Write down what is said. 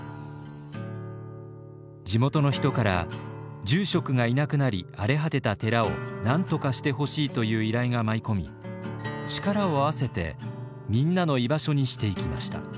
地元の人から住職がいなくなり荒れ果てた寺をなんとかしてほしいという依頼が舞い込み力を合わせて「みんなの居場所」にしていきました。